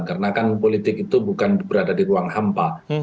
karena kan politik itu bukan berada di ruang hampa